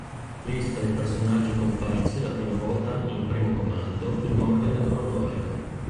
Lista di personaggi comparsi la prima volta in "Primo comando", in ordine cronologico.